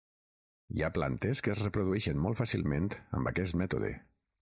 Hi ha plantes que es reprodueixen molt fàcilment amb aquest mètode.